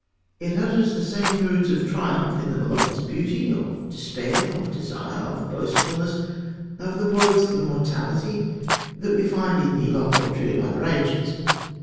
It utters the same moods of triumph in the beloved's beauty, of despair, of desire, of boastfulness of the poet's immortality, that we find in the love poetry of other ages.